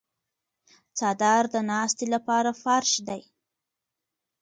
څادر د ناستې لپاره فرش دی.